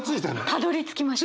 たどりつきました。